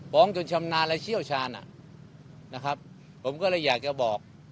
จนชำนาญและเชี่ยวชาญนะครับผมก็เลยอยากจะบอก